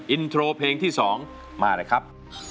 อินโทรเพลงที่๒มาเลยครับ